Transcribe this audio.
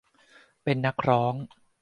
เป็นนักร้อง